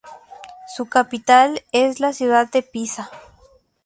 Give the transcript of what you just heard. Su capital es la ciudad de Pisa.